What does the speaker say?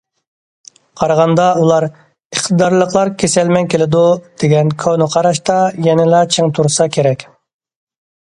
قارىغاندا، ئۇلار« ئىقتىدارلىقلار كېسەلمەن كېلىدۇ» دېگەن كونا قاراشتا يەنىلا چىڭ تۇرسا كېرەك.